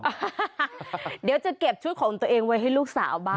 เดี๋ยวจะเก็บชุดของตัวเองไว้ให้ลูกสาวบ้าง